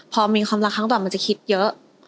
พอมีความรักครั้งต่อมันจะคิดเยอะ